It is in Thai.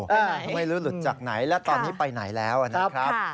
ไม่รู้หลุดจากไหนและตอนนี้ไปไหนแล้วนะครับ